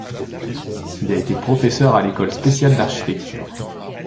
Il a été professeur à l'École spéciale d'architecture.